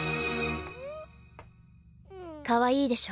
かわいいでしょ？